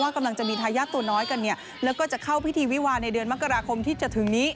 กำลังจะมีทายาทตัวน้อยกันเนี่ยแล้วก็จะเข้าพิธีวิวาในเดือนมกราคมที่จะถึงนี้